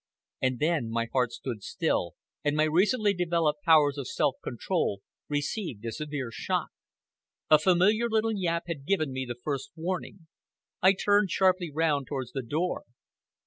And then my heart stood still, and my recently developed powers of self control received a severe shock. A familiar little yap had given me the first warning, I turned sharply round towards the door.